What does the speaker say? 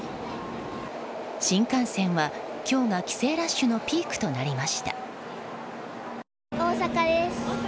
新幹線は今日が帰省ラッシュのピークとなりました。